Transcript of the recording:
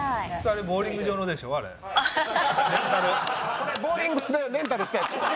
これボウリング場でレンタルしたやつ。